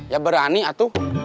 ya berani atu